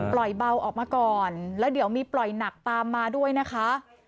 เบาออกมาก่อนแล้วเดี๋ยวมีปล่อยหนักตามมาด้วยนะคะ